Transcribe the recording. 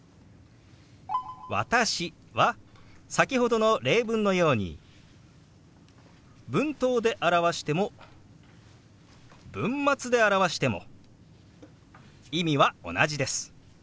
「私」は先ほどの例文のように文頭で表しても文末で表しても意味は同じです。